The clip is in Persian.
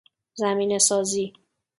زمینه سازی